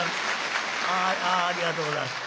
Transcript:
ありがとうございます。